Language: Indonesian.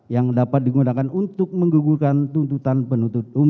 yang dapat digunakan untuk menggugurkan tuntutan penuntut umum